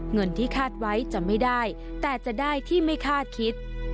เงินที่คาดไว้จะไม่ได้แต่จะได้ที่ไม่คาดคิด